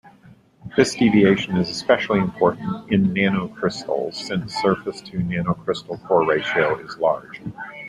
This deviation is especially important in nanocrystals since surface-to-nanocrystal core ratio is large.